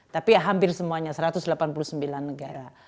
tapi hampir semuanya satu ratus delapan puluh sembilan negara